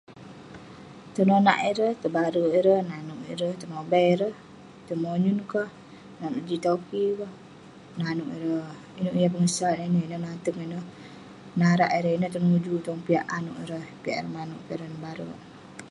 tenonak ireh, tebarek ireh, nanouk ireh, tenobai ireh, tai monyun ka, nanouk jin toki ka, nanouk ireh..inouk yah pengesat inouk yah nateng ineh, narak ireh inouk tenuju tong piak anouk ireh, piak ireh manouk, piak ireh nebarek